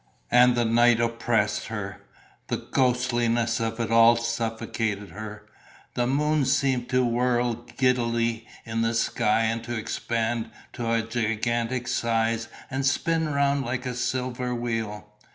And the night oppressed her, the ghostliness of it all suffocated her, the moon seemed to whirl giddily in the sky and to expand to a gigantic size and spin round like a silver wheel.